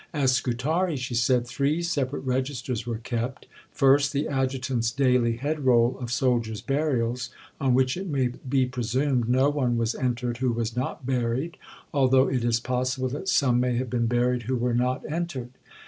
"At Scutari," she said, "three separate registers were kept. First, the Adjutant's daily Head roll of soldiers' burials, on which it may be presumed no one was entered who was not buried, although it is possible that some may have been buried who were not entered.